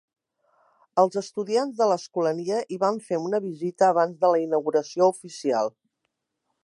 Els estudiants de l'Escolania hi van fer una visita abans de la inauguració oficial.